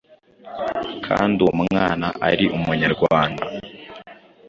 kandi uwo mwana ari Umunyarwanda